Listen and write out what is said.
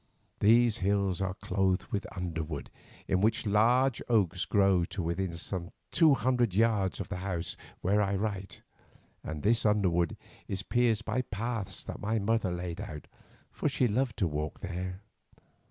These hills are clothed with underwood, in which large oaks grow to within some two hundred yards of this house where I write, and this underwood is pierced by paths that my mother laid out, for she loved to walk here.